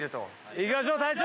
行きましょう隊長！